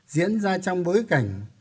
diễn ra trong bối cảnh